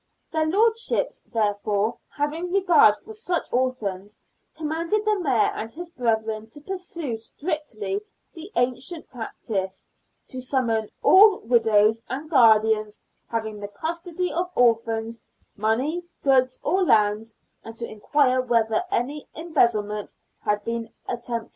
Their lordships, therefore, having regard for such orphans, command the Mayor and his brethren to pursue strictly the ancient practice ; to summon all widows and guardians having the custody of orphans' money, goods or lands ; and to inquire whether any embezzlement had been attempted.